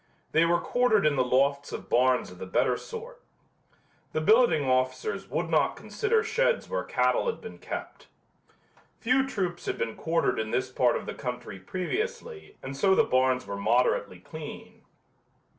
They were quartered in the lofts of barns of the better sort. The billeting officers would not consider sheds where cattle had been kept. Few troops had been quartered in this part of the country previously and so the barns were moderately clean.